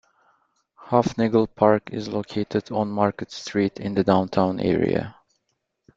Hufnagle Park is located on Market Street in the downtown area.